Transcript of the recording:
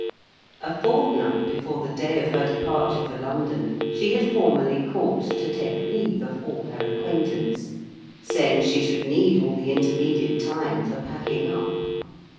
A fortnight before the day of her departure for London, she had formally called to take leave of all her acquaintance; saying she should need all the intermediate time for packing up.